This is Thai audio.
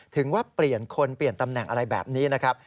ถึงว่าเปลี่ยนคนเปลี่ยนตำแหน่งอะไรแบบนี้นะครับ